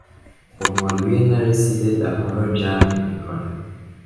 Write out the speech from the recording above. خرمالوی نرسیده دهان را جمع میکند.